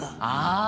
ああ！